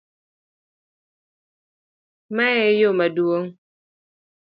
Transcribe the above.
Mae e yoo maduong'?